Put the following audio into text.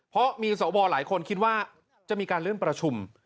เพราะมีสวหลายคนคิดว่าจะมีการเลื่อนประชุม